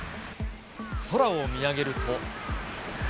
空を見上げると。